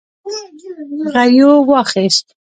غريو واخيست.